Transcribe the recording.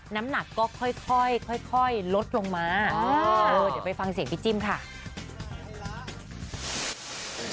น้ำหนักก็ค่อยลดลงมาเดี๋ยวไปฟังเสียงพี่จิ้มค่ะ